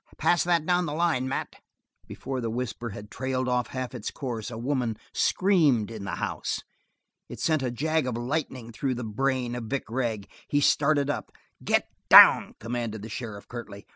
Pass that down the line, Mat." Before the whisper had trailed out half its course, a woman screamed in the house. It sent a jag of lightning through the brain of Vic Gregg; he started up. "Get down," commanded the sheriff 'curtly.